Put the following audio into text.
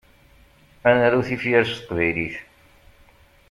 Ad naru tifyar s teqbaylit.